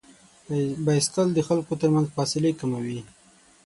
بایسکل د خلکو تر منځ فاصلې کموي.